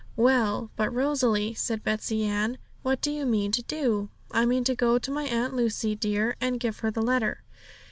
'Well, but Rosalie,' said Betsey Ann, 'what do you mean to do?' 'I mean to go to my Aunt Lucy, dear, and give her the letter.'